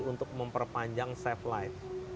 untuk memperpanjang safe life